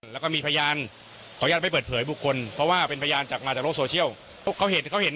แล้วก็มีพยานขออนุญาตไม่เปิดเผยบุคคลเพราะว่าเป็นพยานจากมาจากโลกโซเชียลเห็น